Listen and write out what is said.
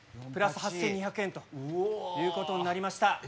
プラス８２００円ということになりました。